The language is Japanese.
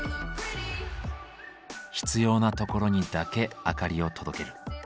必要なところにだけ明かりを届ける。